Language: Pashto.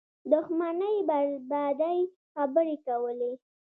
دښمنۍ بربادۍ خبرې کولې